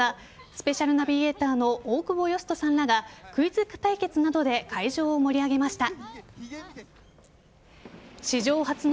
スペシャルナビゲーターの大久保嘉人さんらがクイズ対決などで会場を盛り上げました。